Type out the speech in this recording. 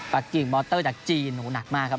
ปากกิ่งบอลเตอร์จากจีนหนูหนักมากครับ